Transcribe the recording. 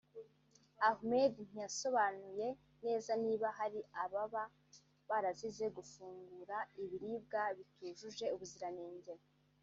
Ahmed ntiyasobanuye neza niba hari ababa barazize gufungura ibiribwa bitujuje ubuziranenge